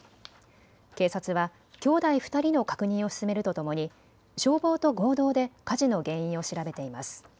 警察は兄弟２人の確認を進めるとともに消防と合同で火事の原因を調べています。